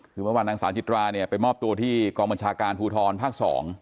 คือเมื่อวานนางสาวจิตราเนี่ยไปมอบตัวที่กองบัญชาการภูทรภาค๒